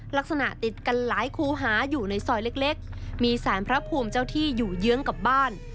ลักษณะติดกันหลายคูหาอยู่ในซอยเล็กมีสารพระภูมิเจ้าที่อยู่เยื้องกับบ้าน